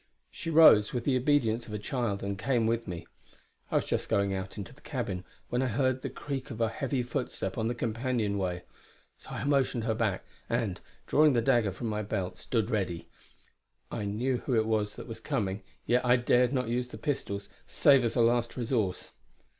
She rose, with the obedience of a child, and came with me. I was just going out into the cabin, when I heard the creak of a heavy footstep on the companion way. So I motioned her back, and, drawing the dagger from my belt, stood ready. I knew who it was that was coming; yet I dared not use the pistols, save as a last resource.